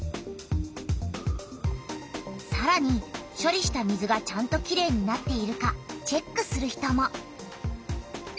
さらにしょりした水がちゃんときれいになっているかチェックする人も。